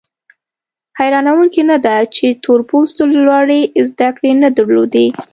حیرانوونکي نه ده چې تور پوستو لوړې زده کړې نه درلودې.